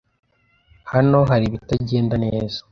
Hano hari ibitagenda neza.